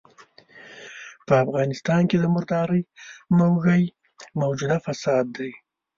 په افغانستان کې د مردارۍ موږی موجوده فساد دی.